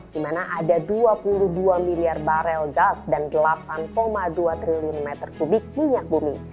di mana ada dua puluh dua miliar barel gas dan delapan dua triliun meter kubik minyak bumi